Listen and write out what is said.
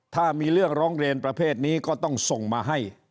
ถ้ามีเรื่องร้องเรียนประเภทนี้ก็ต้องส่งมาให้